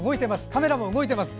カメラも動いています。